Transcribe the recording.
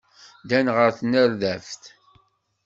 Ddan ɣer tnerdabt.